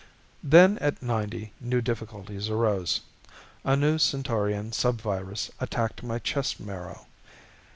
Then at ninety new difficulties arose. A new Centaurian subvirus attacked my chest marrow.